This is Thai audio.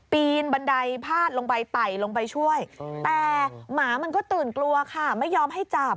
ปีนบันไดพาดลงไปไต่ลงไปช่วยแต่หมามันก็ตื่นกลัวค่ะไม่ยอมให้จับ